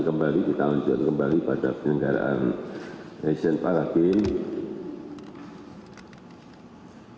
kembali kita lanjutkan kembali pada penyelenggaraan asian para games